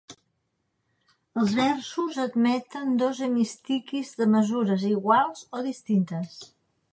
Els versos admeten dos hemistiquis de mesures iguals o distintes.